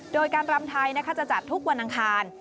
โดยการรำไทยจะจัดทุกวันอังคาร